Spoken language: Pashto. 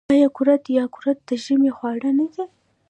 آیا کورت یا قروت د ژمي خواړه نه دي؟